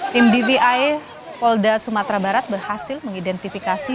tim dvi polda sumatera barat berhasil mengidentifikasi